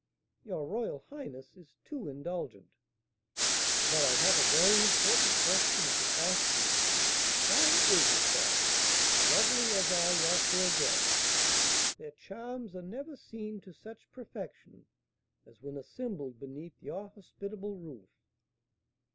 "Your royal highness is too indulgent." "But I have a very important question to ask you: Why is it that, lovely as are your fair guests, their charms are never seen to such perfection as when assembled beneath your hospitable roof?"